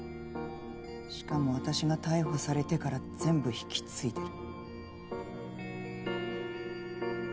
しかも私が逮捕されてから全部引き継いでる。